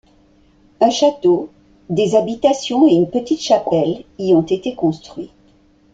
Un château, des habitations et une petite chapelle y ont été construits.